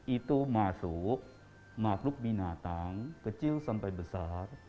itu masuk makhluk binatang kecil sampai besar